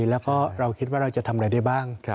แล้วก็เราคิดว่าเราจะทำอะไรได้บ้าง